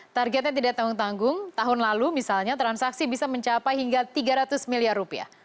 targetnya tidak tanggung tanggung tahun lalu misalnya transaksi bisa mencapai hingga tiga ratus miliar rupiah